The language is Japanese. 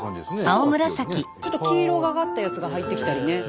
ちょっと黄色がかったやつが入ってきたりね。